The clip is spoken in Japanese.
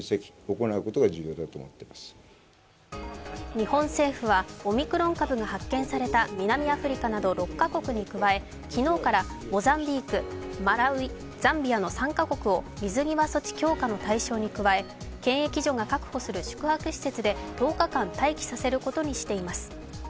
日本政府はオミクロン株が発見された南アフリカなど６カ国に加え、昨日からモザンビーク、マラウイ、ザンビアの３カ国を水際措置強化の対象に加え検疫所が確保する宿泊施設で１０日間待機させることにしています。